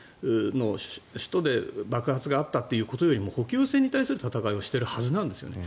首都キーウで爆発があったということよりも補給線に対する戦いをしているはずなんですよね。